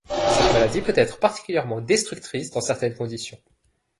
Cette maladie peut être particulièrement destructrice dans certaines conditions.